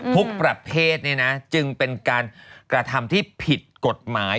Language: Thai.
ทุกประเภทจึงเป็นการกระทำที่ผิดกฎหมาย